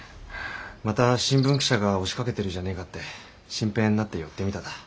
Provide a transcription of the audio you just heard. また新聞記者が押しかけてるじゃねえかって心配になって寄ってみただ。